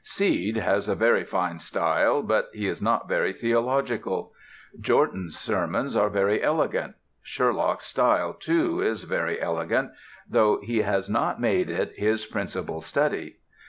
Seed has a very fine style; but he is not very theological. Jortin's sermons are very elegant. Sherlock's style, too, is very elegant, though he has not made it his principal study.